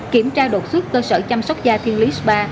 kiểm tra đột xuất cơ sở chăm sóc da thiên lý spa